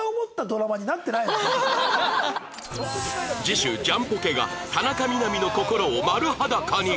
次週ジャンポケが田中みな実の心を丸裸に